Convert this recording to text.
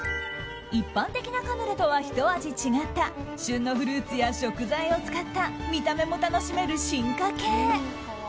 一般的なカヌレとはひと味違った旬のフルーツや食材を使った見た目も楽しめる進化系。